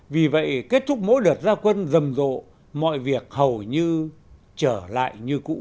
vì vậy kết thúc mỗi đợt gia quân rầm rộ mọi việc hầu như trở lại